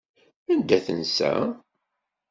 Anda tensa?